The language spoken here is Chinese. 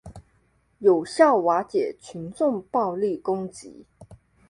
有效瓦解群众暴力攻击